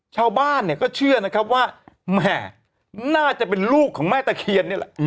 ชาวบ้านก็เชื่อว่าแม่น่าจะเป็นลูกของแม่ตะเคียนนี่แหละ